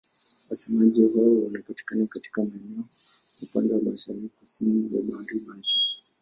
Wasemaji wao wanapatikana katika maeneo upande wa mashariki-kusini ya Bahari Baltiki.